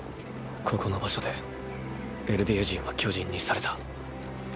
ここの場所でエルディア人は巨人にされた。